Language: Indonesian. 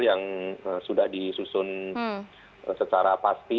yang sudah disusun secara pasti